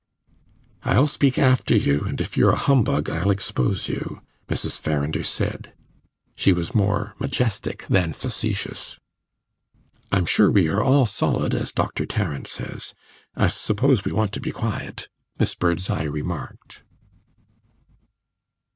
"I'll speak after you, and if you're a humbug, I'll expose you!" Mrs. Farrinder said. She was more majestic than facetious. "I'm sure we are all solid, as Doctor Tarrant says. I suppose we want to be quiet," Miss Birdseye remarked.